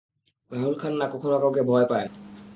রাহুল খান্না কখনো কাউকে ভয় পায় না।